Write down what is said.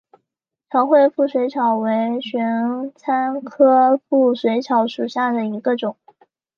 长穗腹水草为玄参科腹水草属下的一个种。